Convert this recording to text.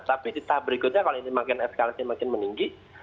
tapi di tahap berikutnya kalau ini makin eskalasinya makin meninggi